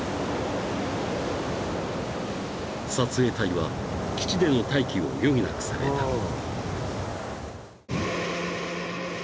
［撮影隊は基地での待機を余儀なくされた］